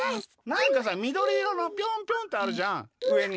なんかさみどりいろのピョンピョンってあるじゃんうえに。